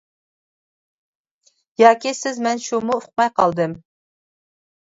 ياكى سىز مەن شۇمۇ ئۇقماي قالدىم.